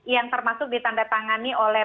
yang termasuk ditandatangani oleh